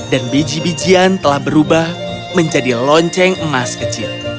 dan biji bijian telah berubah menjadi lonceng emas kecil